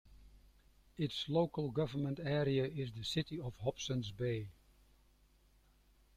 Its local government area is the City of Hobsons Bay.